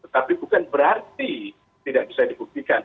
tapi bukan berarti tidak bisa dibuktikan